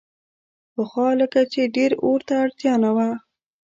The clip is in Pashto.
پخوا لکه چې ډېر اور ته اړتیا نه وه.